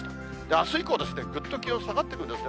あす以降、ぐっと気温下がってくるんですね。